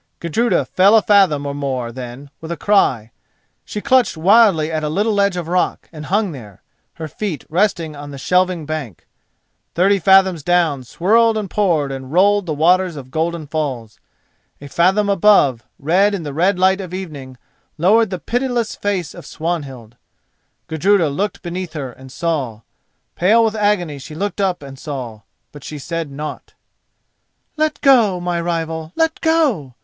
Gudruda fell a fathom or more, then, with a cry, she clutched wildly at a little ledge of rock, and hung there, her feet resting on the shelving bank. Thirty fathoms down swirled and poured and rolled the waters of the Golden Falls. A fathom above, red in the red light of evening, lowered the pitiless face of Swanhild. Gudruda looked beneath her and saw. Pale with agony she looked up and saw, but she said naught. "Let go, my rival; let go!"